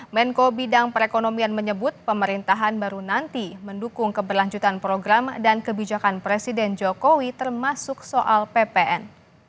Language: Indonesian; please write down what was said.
menko bidang perekonomian menyebut pemerintahan baru nanti mendukung keberlanjutan program dan kebijakan presiden jokowi termasuk soal ppn